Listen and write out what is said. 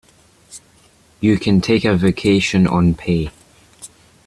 You can take a vacation on pay.